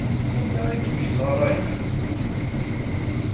Anta ay kem-yessɣarayen?